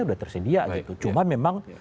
sudah tersedia cuma memang